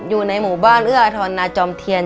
อยู่ในหมู่บ้านเอื้ออาทรนาจอมเทียน